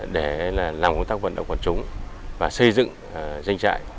để làm công tác vận động quân chúng và xây dựng danh trại